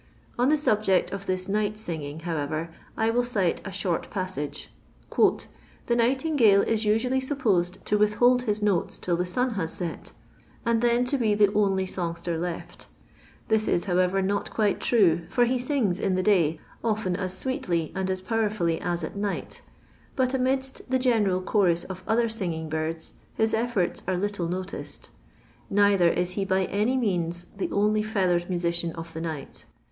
On the subject of this night singing, however, I will cite a short passage. " The Nightingale is usually supposed to with hold his notes till the sun has set, and then to be the only songster left This ii, howeyer, not quite true, for he sings in the day, often as sweetly and as powerfully as at night; but amidst the general chorus of other singing birds, his efibrts are little noticed. Neither is he by any meuM the only feathered musician of the night.